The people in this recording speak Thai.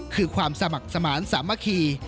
คือความสมัครสมาธิสามัคคี